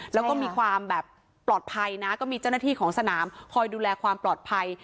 แล้วก็มีความแบบปลอดภัยนะก็มีเจ้าหน้าที่ของสนามคอยดูแลความปลอดภัย